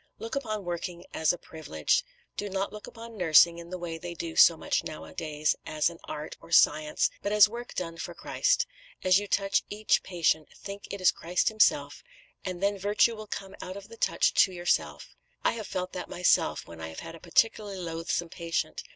Look upon working as a privilege. Do not look upon nursing in the way they do so much nowadays, as an art or science, but as work done for Christ. As you touch each patient, think it is Christ Himself, and then virtue will come out of the touch to yourself. I have felt that myself, when I have had a particularly loathsome patient.